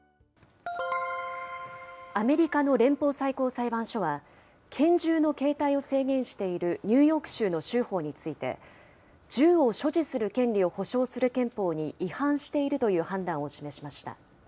アメリカの連邦最高裁判所は、拳銃の携帯を制限しているニューヨーク州の州法について、銃を所持する権利を保障する憲法に違反しているという判断を示しました。